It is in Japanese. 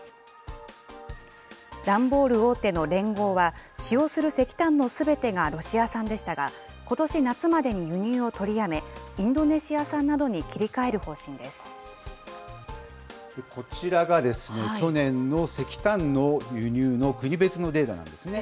段ボール大手のレンゴーは、使用する石炭のすべてがロシア産でしたが、ことし夏までに輸入を取りやめ、インドネシア産などに切り替えるこちらがですね、去年の石炭の輸入の国別のデータなんですね。